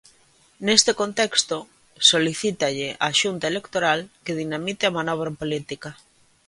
Neste contexto, solicítalle á Xunta Electoral que dinamite a manobra política.